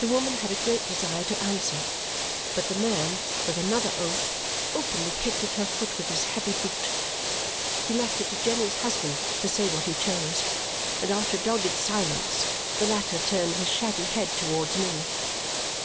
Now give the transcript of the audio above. The woman had a great desire to answer, but the man, with another oath, openly kicked at her foot with his heavy boot. He left it to Jenny's husband to say what he chose, and after a dogged silence the latter turned his shaggy head towards me.